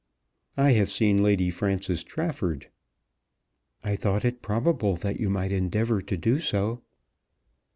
"I have seen Lady Frances Trafford." "I thought it probable that you might endeavour to do so."